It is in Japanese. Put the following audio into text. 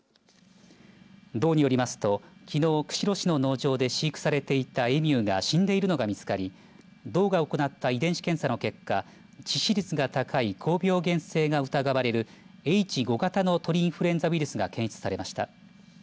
道によりますと、きのう釧路市の農場で飼育されていたエミューが死んでいるのが見つかり道が行った遺伝子検査の結果致死率が高い高病原性が疑われるＨ５型の鳥インフルエンザウイルスが検出されました。